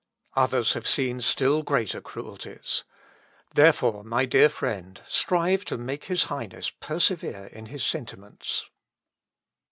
Others have seen still greater cruelties. Therefore, my dear friend, strive to make his Highness persevere in his sentiments."